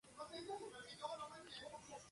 Con sede central en Tokio, Japón.